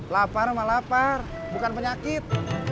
lapar malah lapar bukan penyakit